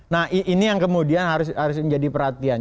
nah ini yang kemudian harus menjadi perhatian